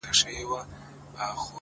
ذهن هغه څه تعقیبوي چې پرې تمرکز شي